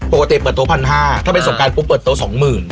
ปกติเปิดโต๊ะพันห้าถ้าเป็นสงการปุ๊บเปิดโต๊ะสองหมื่น